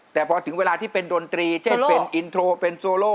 แต่พอถึงเวลาที่เป็นดนตรีเช่นเป็นอินโทรเป็นโซโล